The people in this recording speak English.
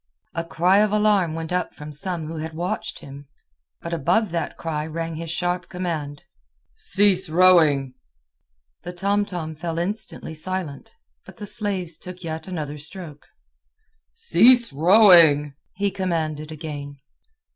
A cry of alarm went up from some who had watched him. But above that cry rang his sharp command: "Cease rowing!" The tomtom fell instantly silent, but the slaves took yet another stroke. "Cease rowing!" he commanded again.